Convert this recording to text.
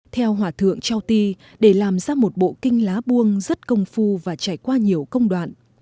theo hỏa thượng châu ti để làm ra một bộ kinh lá buông rất công phu và trải qua nhiều công đoạn